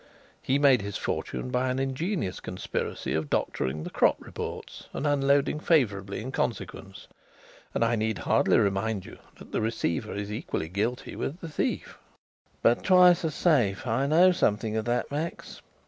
He made his fortune by an ingenious conspiracy of doctoring the crop reports and unloading favourably in consequence. And I need hardly remind you that the receiver is equally guilty with the thief." "But twice as safe. I know something of that, Max